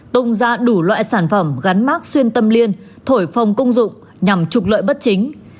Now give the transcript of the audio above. tung ra đủ loại sản phẩm gắn mát xuyên tâm liên thổi phòng công dụng nhằm trục lợi bất chính